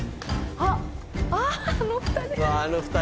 ああの２人！